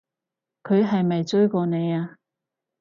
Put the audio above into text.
佢係咪追過你啊？